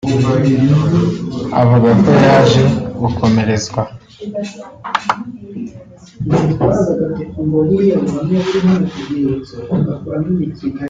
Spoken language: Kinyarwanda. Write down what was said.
Avuga ko yaje gukomerezwa